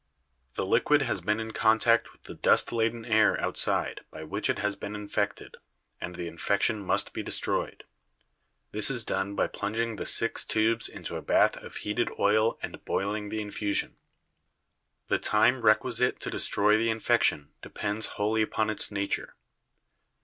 The liquid has been in contact with the dust laden air outside by which it has been infected, and the infection must be destroyed. This is done by plunging the six tubes into a bath of heated oil and boiling the infusion. The time requisite to destroy the infection depends wholly upon its nature.